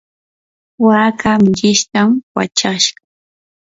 waaka millishtam wachashqa.